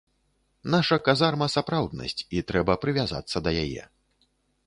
Наша казарма сапраўднасць, і трэба прывязацца да яе.